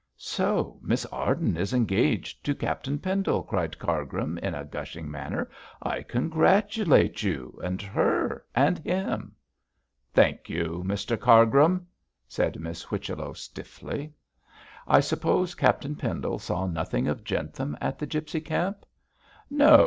'So Miss Arden is engaged to Captain Pendle,' cried Cargrim, in a gushing manner. 'I congratulate you, and her, and him.' 'Thank you, Mr Cargrim,' said Miss Whichello, stiffly. 'I suppose Captain Pendle saw nothing of Jentham at the gipsy camp?' 'No!